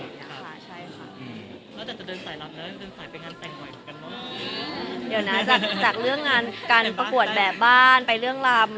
ขายเป็นกันเหมือนเดี๋ยวนะจากเลือกการประกวดแบบบ้านไปเรื่องราม